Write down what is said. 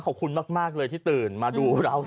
ขอบคุณมากเลยที่ตื่นมาดูเรา